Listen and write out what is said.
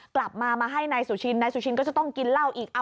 กลับมามาให้นายสุชินนายสุชินก็จะต้องกินเหล้าอีก